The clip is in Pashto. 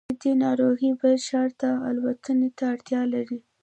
خو جدي ناروغۍ بل ښار ته الوتنې ته اړتیا لري